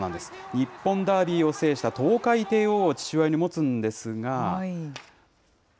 日本ダービーを制したトウカイテイオーを父親に持つんですが。